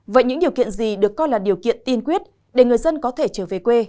vậy những điều kiện gì được coi là điều kiện tiên quyết để người dân có thể trở về quê